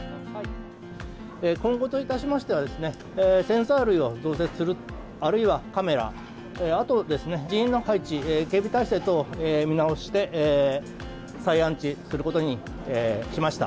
今後といたしましてはですね、センサー類を増設する、あるいはカメラ、あと人員の配置、警備体制等を見直して、再安置することにしました。